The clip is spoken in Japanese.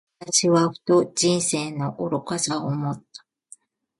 私はふと、人生の儚さを思った。